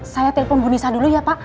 saya telpon bu nisa dulu ya pak